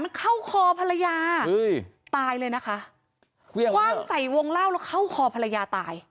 มันเข้าคอภรรยาตายเลยนะคะคว่างใส่วงเล่าแล้วเข้าคอภรรยาตาย